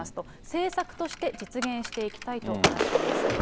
政策として実現していきたいと話しています。